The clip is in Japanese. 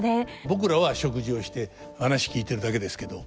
僕らは食事をして話聞いてるだけですけど。